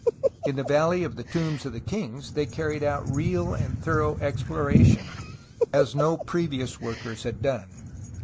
In the V^alley of the Tombs of the Kings they carried out real and thorough exploration, as no previous workers had done.